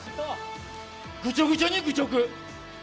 ぐちょぐちょに愚直！